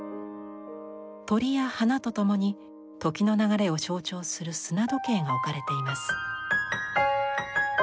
鳥や花と共に時の流れを象徴する砂時計が置かれています。